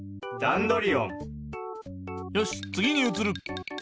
よしつぎにうつる。